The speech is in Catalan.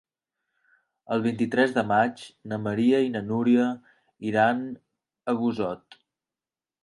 El vint-i-tres de maig na Maria i na Núria iran a Busot.